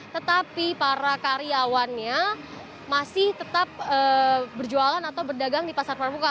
tetapi para karyawannya masih tetap berjualan atau berdagang di pasar pramuka